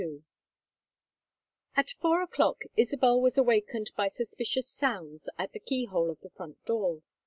XXII At four o'clock Isabel was awakened by suspicious sounds at the key hole of the front door.